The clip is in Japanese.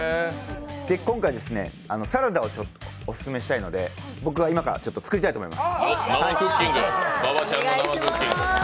今回、サラダをオススメしたいので今から作りたいと思います。